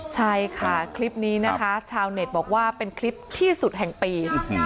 ใช่ค่ะคลิปนี้นะคะชาวเน็ตบอกว่าเป็นคลิปที่สุดแห่งปี